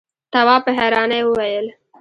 تواب په حيرانۍ وويل: